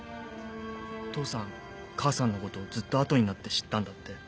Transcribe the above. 父さん母さんのことずっと後になって知ったんだって。